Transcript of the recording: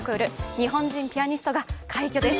日本人ピアニストが快挙です。